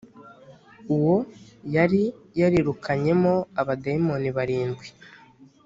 uwo yari yarirukanyemo abadayimoni barindwi